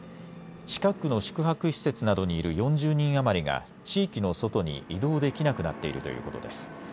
近くの宿泊施設などにいる４０人余りが地域の外に移動できなくなっているということです。